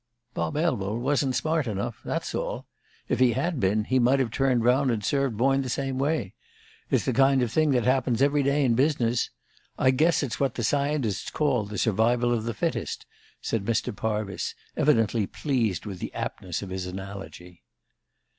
"Bob Elwell wasn't smart enough, that's all; if he had been, he might have turned round and served Boyne the same way. It's the kind of thing that happens every day in business. I guess it's what the scientists call the survival of the fittest," said Mr. Parvis, evidently pleased with the aptness of his analogy.